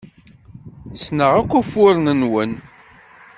Ssneɣ akk ufuren-nwen.